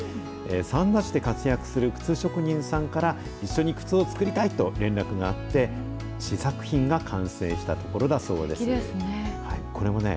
三田市で活躍する靴職人さんから一緒に靴を作りたいと連絡があって、試作品が完成したところだそすてきですね。